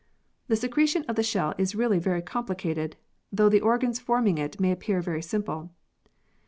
The secretion of the shell is really very compli cated, though the organs forming it may appear very simple.